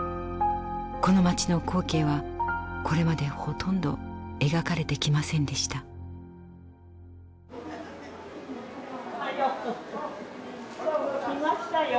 この町の光景はこれまでほとんど描かれてきませんでした。来ましたよ。